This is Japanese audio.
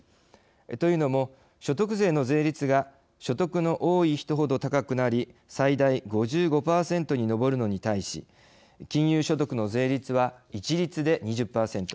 というのも所得税の税率が所得の多い人ほど高くなり最大５５％に上るのに対し金融所得の税率は一律で２０％。